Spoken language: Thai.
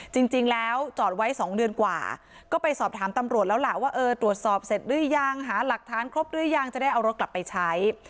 จริงแล้วจอดไว้๒เดือนกว่าก็ไปสอบถามตำรวจแล้วล่ะว่าเออตรวจสอบเสร็จหรือยังหาหลักฐานครบหรือยังจะได้เอารถกลับไปใช้